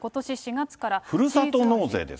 ふるさと納税です。